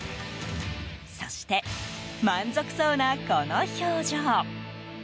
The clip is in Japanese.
そして、満足そうなこの表情。